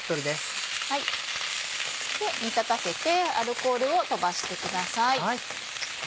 煮立たせてアルコールを飛ばしてください。